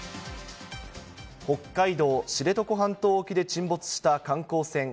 北海道知床半島沖で沈没した観光船